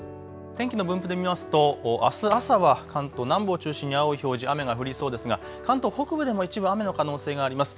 天気の分布で見ますとあす朝は関東南部を中心に青い表示、雨が降りそうですが関東北部でも一部、雨の可能性があります。